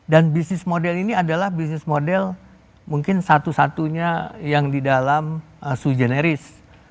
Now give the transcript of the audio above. dan bisnis model ini adalah bisnis model mungkin satu satunya yang di dalam sujeneris